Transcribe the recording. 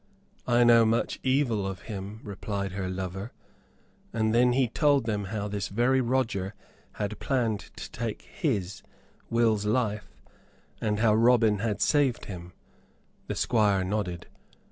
"I know much evil of him," replied her lover; and then he told them how this very Roger had planned to take his (Will's) life, and how Robin had saved him. The Squire nodded.